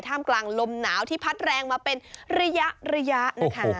มกลางลมหนาวที่พัดแรงมาเป็นระยะนะคะ